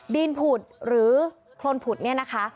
ผุดหรือโครนผุดเนี่ยนะคะ